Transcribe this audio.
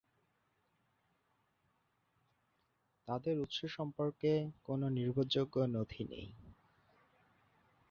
তাদের উৎস সম্পর্কে কোন নির্ভরযোগ্য নথি নেই।